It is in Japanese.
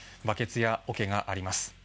バケツやおけがあります。